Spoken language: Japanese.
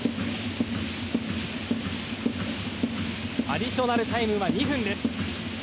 アディショナルタイムは２分です。